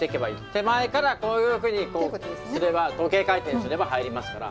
手前からこういうふうにすれば時計回転すれば入りますから。